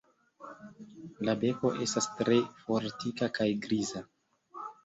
La beko estas tre fortika kaj griza.